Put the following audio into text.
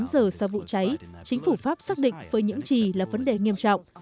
tám giờ sau vụ cháy chính phủ pháp xác định phơi nhiễm trì là vấn đề nghiêm trọng